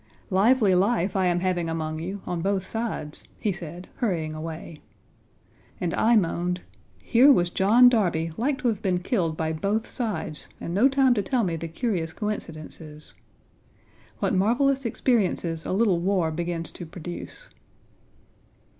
"Lively life I am having among you, on both sides," he said, hurrying away. And I moaned, "Here was John Darby like Page 58 to have been killed by both sides, and no time to tell me the curious coincidences." What marvelous experiences a little war begins to produce.